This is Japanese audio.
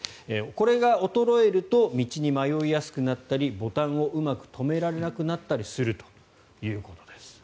これが衰えると道に迷いやすくなったりボタンをうまく留められなくなったりするということです。